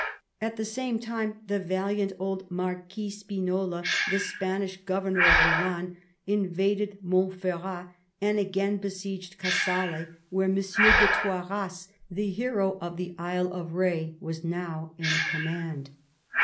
At the same time the valiant old Marquis Spinola, the Spanish governor of Milan, invaded Montferrat and again besieged Casale, where M. de Toiras, the hero of the Isle of Re, was now in command.